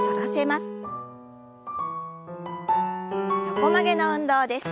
横曲げの運動です。